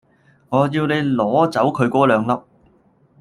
我要你攞走佢果兩粒